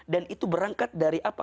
dan itu berangkat dari apa